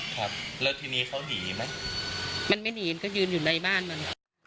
ครับแล้วทีนี้เขาหนีไหมมันไม่หนีมันก็ยืนอยู่ในบ้านมัน